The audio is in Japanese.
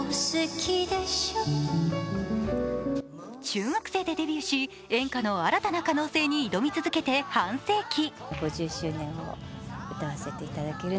中学生でデビューし、演歌の新たな可能性に挑み続けて半世紀。